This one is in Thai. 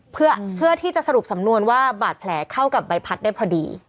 เพื่อที่จะสรุปสำนวนว่าบาดแผลเข้ากับใบพัดได้พอดี